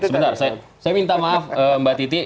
sebentar saya minta maaf mbak titi